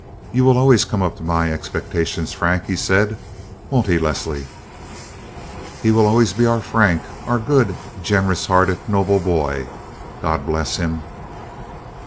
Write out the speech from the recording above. "You will always come up to my expectations, Frank," he said. "Won't he, Leslie?" "He will always be our Frank, our good, generous hearted, noble boy. God bless him!"